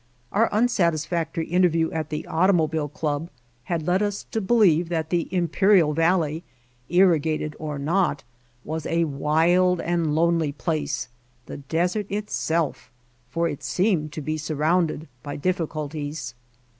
Our unsatisfactory interview at the Automobile Club had led us to believe that the Imperial Valley, irrigated or not, was a wild and lonely place, the desert itself, for it seemed to be sur rounded by difficulties.